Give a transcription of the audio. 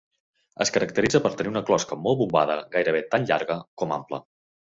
Es caracteritza per tenir una closca molt bombada, gairebé tan llarga com ampla.